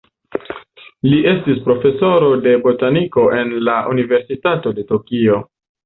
Li estis profesoro de botaniko en la Universitato de Tokio.